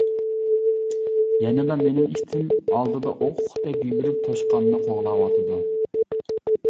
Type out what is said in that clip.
يەنىلا مىنىڭ ئىتىم ئالدىدا ئوقتەك يۈگۈرۈپ توشقاننى قوغلاۋاتىدۇ.